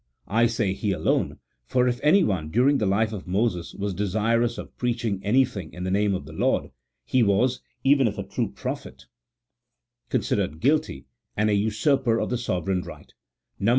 I say he alone, for if anyone during the life of Moses was desirous of preaching anything in the name of the Lord, he was, even if a true prophet, considered guilty and a usurper of the sovereign right (Numb.